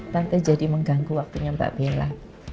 nanti jadi mengganggu waktunya mbak bella